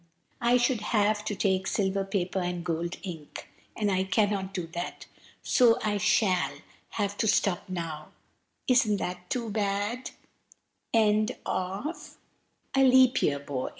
I should have to take silver paper and gold ink; and I cannot do that, so I shall have to stop now. Isn't that too bad? KING PIPPIN.